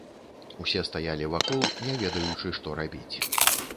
Усе стаялі вакол, не ведаючы, што рабіць.